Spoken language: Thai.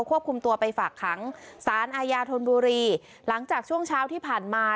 ควบคุมตัวไปฝากขังสารอาญาธนบุรีหลังจากช่วงเช้าที่ผ่านมา